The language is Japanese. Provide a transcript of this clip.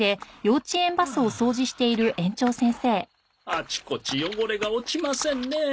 あちこち汚れが落ちませんね。